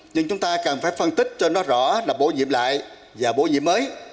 nhưng chúng ta cần phải phân tích cho nó rõ là bổ nhiệm lại và bổ nhiệm mới